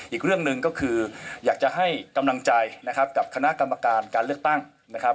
อีกเรื่องหนึ่งก็คืออยากจะให้กำลังใจนะครับกับคณะกรรมการการเลือกตั้งนะครับ